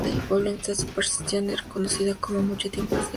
Esta superstición era conocida mucho tiempo antes de que viviera Homero.